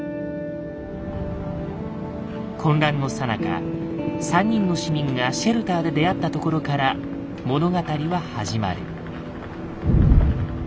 混乱のさなか３人の市民がシェルターで出会ったところから物語は始まる。